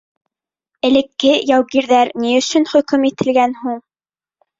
Элекке яугирҙәр ни өсөн хөкөм ителгән һуң?